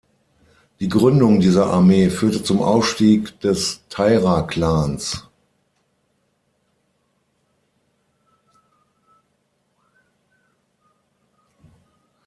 Die Gründung dieser Armee führte zum Aufstieg des Taira-Klans.